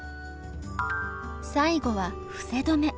最後は伏せ止め。